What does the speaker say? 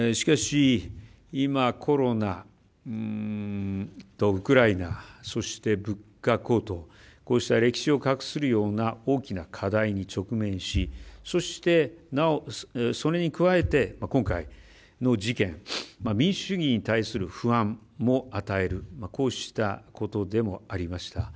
しかし、今コロナウクライナそして、物価高騰こうした歴史を画するような大きな課題に直面しそして、なおそれに加えて今回の事件民主主義に対する不安も与えるこうしたことでもありました。